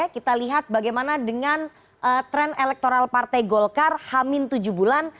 kita lihat bagaimana dengan tren elektoral partai golkar hamil tujuh bulan